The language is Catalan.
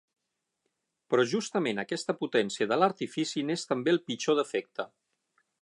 Però justament aquesta potència de l'artifici n'és també el pitjor defecte.